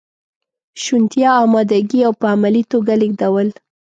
شونتیا، امادګي او په عملي توګه لیږدول.